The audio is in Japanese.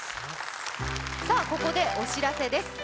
さあここでお知らせです。